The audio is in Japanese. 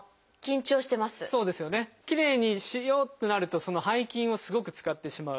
きれいにしようってなると背筋をすごく使ってしまう。